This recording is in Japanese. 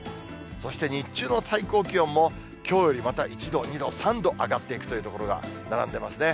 そして日中の最高気温も、きょうよりまた１度、２度、３度上がっていくという所が並んでますね。